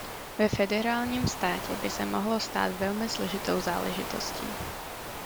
Ve federálním státě by se mohlo stát velmi složitou záležitostí.